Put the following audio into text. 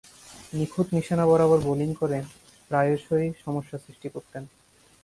নিখুঁত নিশানা বরাবর বোলিং করে প্রায়শই সমস্যার সৃষ্টি করতেন।